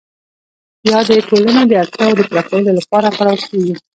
یا د ټولنې د اړتیاوو د پوره کولو لپاره کارول کیږي؟